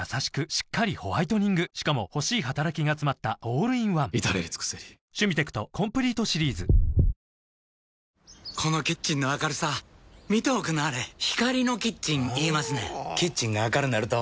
しっかりホワイトニングしかも欲しい働きがつまったオールインワン至れり尽せりこのキッチンの明るさ見ておくんなはれ光のキッチン言いますねんほぉキッチンが明るなると・・・